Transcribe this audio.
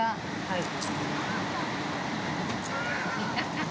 はい。